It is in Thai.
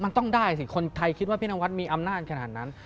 มันต้องได้สิคนไทยคิดว่าพี่นวัดมีอำนาจขนาดนั้น